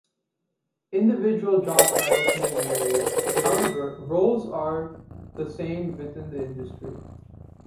Individual job titles may vary; however, roles are the same within the industry.